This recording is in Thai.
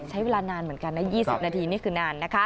ใช้เวลานานเหมือนกันนะ๒๐นาทีนี่คือนานนะคะ